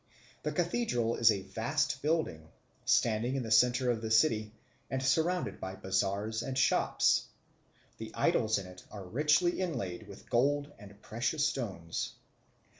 The cathedral is a vast building, standing in the centre of the city, and surrounded by bazaars and shops. The idols in it are richly inlaid with gold and precious stones.